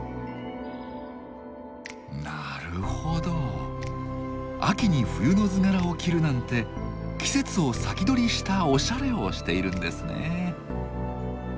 なるほど秋に冬の図柄を着るなんて季節を先取りしたオシャレをしているんですね。